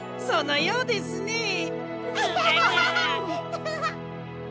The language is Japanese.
そのようですね。